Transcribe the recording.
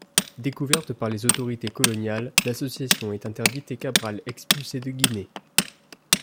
Découverte par les autorités coloniales, l'association est interdite et Cabral expulsé de Guinée.